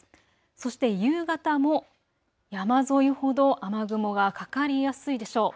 そして夕方も山沿いほど雨雲がかかりやすいでしょう。